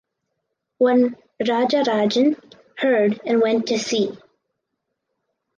When Rajarajan heard and went to see.